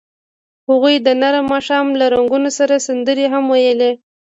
هغوی د نرم ماښام له رنګونو سره سندرې هم ویلې.